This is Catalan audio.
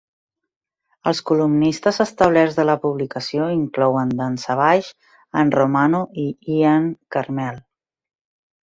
Els columnistes establerts de la publicació inclouen Dan Savage, Ann Romano i Ian Karmel.